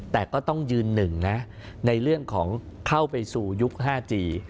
แต่ก็ต้องยืนหนึ่งนะในเรื่องของเข้าไปสู่ยุค๕จี